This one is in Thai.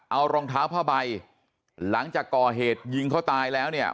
เอารองเท้าผ้าใบหลังจากก่อเหตุยิงเขาตายแล้วเนี่ย